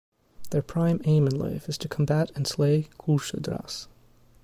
Their prime aim in life is to combat and slay Kulshedras.